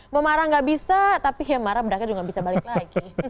mau marah nggak bisa tapi ya marah bedaknya juga nggak bisa balik lagi